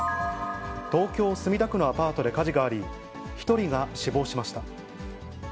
東京・墨田区のアパートで火事があり、１人が死亡しました。